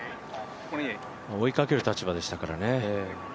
追いかける立場でしたからね。